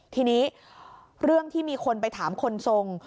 ทีนี้เรื่องที่มีคนไปถามคนทรง